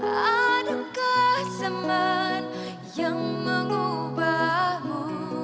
adakah zaman yang mengubahmu